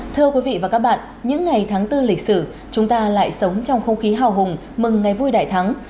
thưa quý vị và các bạn những ngày tháng bốn lịch sử chúng ta lại sống trong không khí hào hùng mừng ngày vui đại thắng